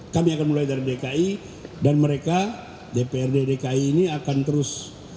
kami akan mulai dari dki dan mereka dprd dki ini akan terus